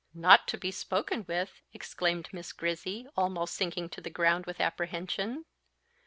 "Not to be spoken with!" exclaimed Miss Grizzy, almost sinking to the ground with apprehension.